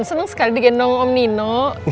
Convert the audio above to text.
seneng sekali di kendong om nino